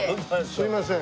すいません。